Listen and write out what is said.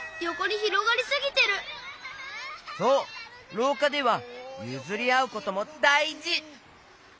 ろうかではゆずりあうこともだいじ。